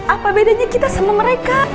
apa bedanya kita sama mereka